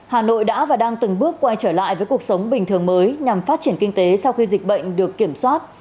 hà nội đã và đang từng bước quay trở lại với cuộc sống bình thường mới nhằm phát triển kinh tế sau khi dịch bệnh được kiểm soát